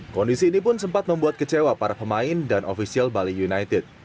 kondisi ini pun sempat membuat kecewa para pemain dan ofisial bali united